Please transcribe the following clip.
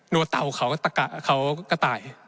นวดเต่าเขาก็ตาย